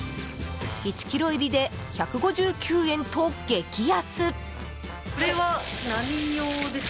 １ｋｇ入りで１５９円と激安。